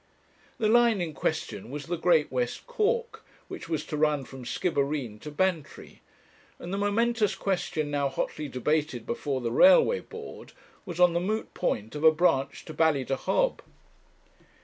The line in question was the Great West Cork, which was to run from Skibbereen to Bantry, and the momentous question now hotly debated before the Railway Board was on the moot point of a branch to Ballydehob.